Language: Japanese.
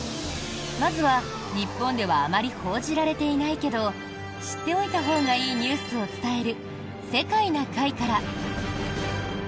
まずは、日本ではあまり報じられていないけど知っておいたほうがいいニュースを伝える「世界な会」から。